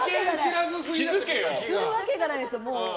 するわけないんですよ。